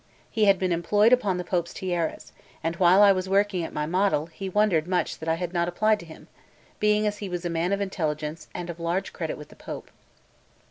He had been employed upon the Pope's tiaras; and while I was working at my model, he wondered much that I had not applied to him, being as he was a man of intelligence and of large credit with the Pope.